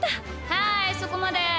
はいそこまで！